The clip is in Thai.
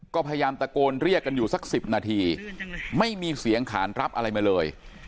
ก็พยายามตะโกนเรียกกันอยู่สัก๑๐นาทีไม่มีเสียงขานรับอะไรมาเลย